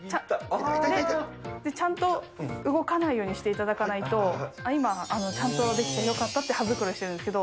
ちゃんと動かないようにしていただかないと、今、ちゃんとできてよかったって羽繕いしてるんですけど。